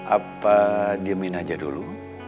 apa diemin aja dulu